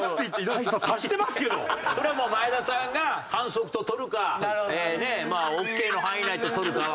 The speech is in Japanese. これはもう前田さんが反則ととるかまあオーケーの範囲内ととるかはねっ。